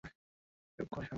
চুপ কর শালা!